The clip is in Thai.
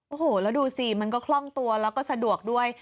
โอ้โหแล้วดูสิมันก็คล่องตัวแล้วก็สะดวกด้วย